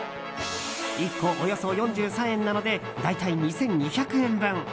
１個およそ４３円なので大体２２００円分。